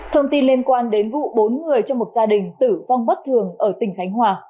thông tin liên quan đến vụ bốn người trong một gia đình tử vong bất thường ở tỉnh khánh hòa